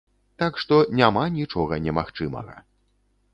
Так што, няма нічога немагчымага.